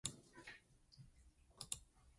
The terrain varies across the ecoregion.